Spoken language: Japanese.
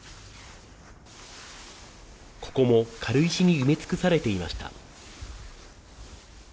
ここも軽石に埋め尽くされていました。